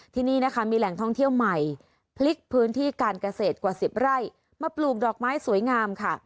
ที่นี่นะคะมีแหล่งท่องเที่ยวใหม่พลิกพื้นที่การเกษตรกว่า๑๐ไร่มาปลูกดอกไม้สวยงามค่ะ